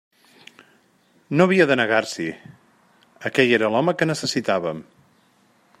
No havia de negar-s'hi: aquell era l'home que necessitaven.